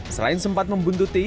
selain sempat membuntuti